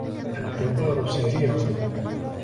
الْقِطَارُ سَرِيعٌ.